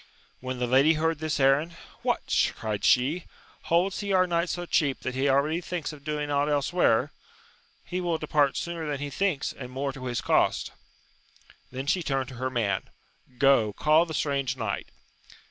When the lady heard this errand. What ! cried she, holds he our knight so cheap that he already thinks of doing ought elsewhere 1 he will depart sooner than he thiii^LS, and more to his cost. Then she turned to her man : Go, call the strange knight.